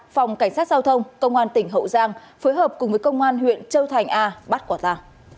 phòng cảnh sát giao thông công an tỉnh hậu giang phối hợp cùng với công an huyện châu thành a bắt quả ta